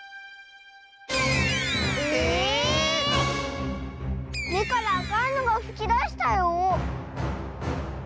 ええ⁉めからあかいのがふきだしたよ！